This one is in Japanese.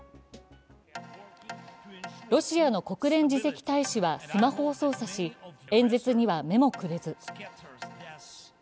ロシアの国連次席大使はスマホを操作し演説には目もくれず。